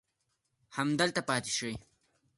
همدلته پاتې سئ.